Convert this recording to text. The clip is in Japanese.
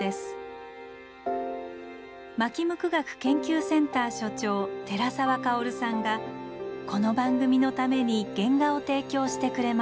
纒向学研究センター所長寺澤薫さんがこの番組のために原画を提供してくれました。